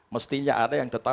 mestinya ada yang terkait